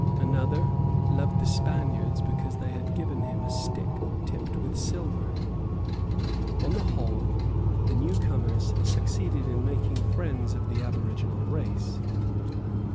Another loved the Spaniards because they had given him a stick tipped with silver. On the whole, the new comers succeeded in making friends of the aboriginal race.